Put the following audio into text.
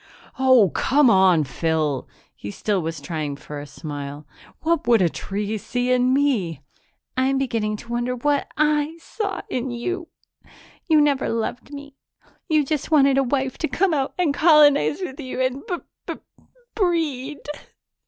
"Oh, come on, Phyl!" He still was trying for a smile. "What would a tree see in me?" "I'm beginning to wonder what I saw in you. You never loved me; you just wanted a wife to come out and colonize with you and b b breed."